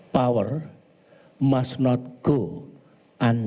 kekuatan tidak harus dikeluarkan